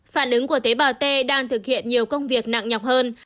phản ứng của tế bào t đang thực hiện nhiều công việc nặng nhọc hơn